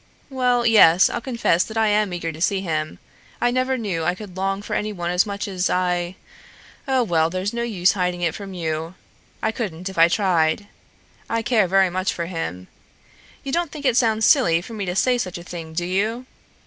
Well, yes, I'll confess that I am eager to see him. I never knew I could long for anyone as much as I Oh, well, there's no use hiding it from you. I couldn't if I tried. I care very much for him. You don't think it sounds silly for me to say such a thing, do you?